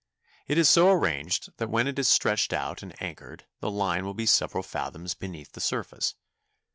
It is so arranged that when it is stretched out and anchored the line will be several fathoms beneath the surface.